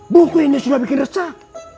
buku ini sudah bikin resah